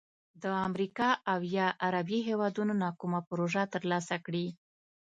د امریکا او یا عربي هیوادونو نه کومه پروژه تر لاسه کړي،